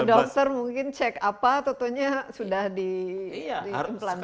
dokter mungkin cek apa tentunya sudah diimplandia